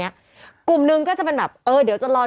เออเดี๋ยวจะรอดูเผื่อมีคลิปใหม่